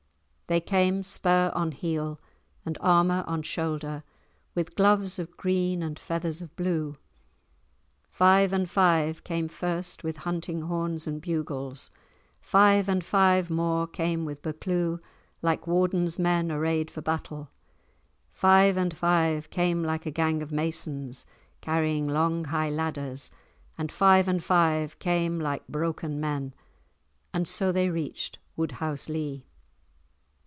They came spur on heel and armour on shoulder, with gloves of green and feathers of blue. Five and five came first with hunting horns and bugles; five and five more came with Buccleuch like Warden's men arrayed for battle; five and five came like a gang of masons, carrying long high ladders; and five and five came like broken men, and so they reached Woodhouselee.